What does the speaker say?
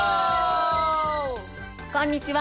こんにちは。